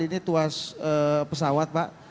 ini tuas pesawat pak